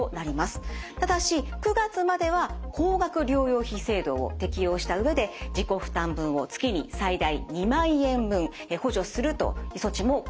ただし９月までは高額療養費制度を適用した上で自己負担分を月に最大２万円分補助するという措置も講じられます。